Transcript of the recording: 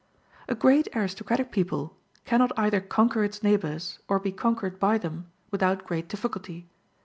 A great aristocratic people cannot either conquer its neighbors, or be conquered by them, without great difficulty.